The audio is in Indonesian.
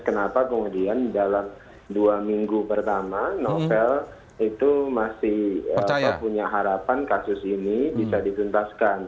kenapa kemudian dalam dua minggu pertama novel itu masih punya harapan kasus ini bisa dituntaskan